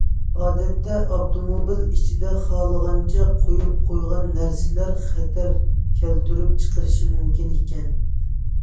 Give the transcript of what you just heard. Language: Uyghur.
ئادەتتە ئاپتوموبىل ئىچىدە خالىغانچە قويۇپ قويغان نەرسىلەر خەتەر كەلتۈرۈپ چىقىرىشى مۇمكىن ئىكەن.